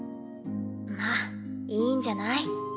まっいいんじゃない？